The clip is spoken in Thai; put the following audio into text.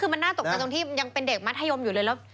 คือมันน่าตกใจตรงที่ยังเป็นเด็กมัธยมอยู่เลย